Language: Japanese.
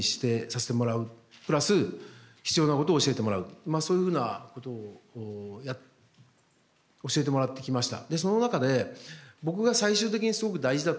まああのまあそういうふうなことを教えてもらってきました。